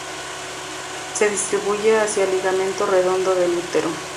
Se distribuye hacia el ligamento redondo del útero.